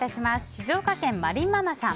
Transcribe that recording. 静岡県の方。